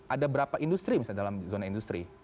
ada berapa industri misalnya dalam zona industri